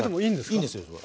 いいんですよそれ。